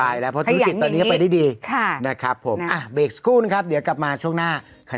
สบายแล้วเพราะธุรกิจตอนนี้ก็ไปได้ดีค่ะนะครับผมอะเดี๋ยวกลับมาช่วงหน้า